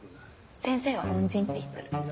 先生は恩人って言っとる。